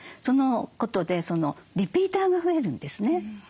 そのことでリピーターが増えるんですね。